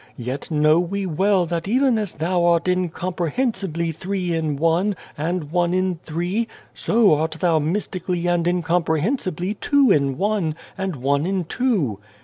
Yet know we well that even as Thou art incom prehensibly Three in One, and One in Three, so art Thou mystically and incomprehensibly Two in One, and One in Two.